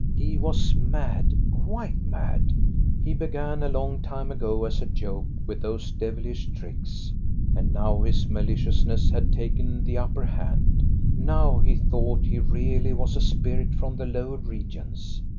He was mad, quite mad. He began a long time ago as a joke with those devilish tricks, and now his mali ciousness had taken the upper hand ; now he thought he really was a spirit from the lower regions.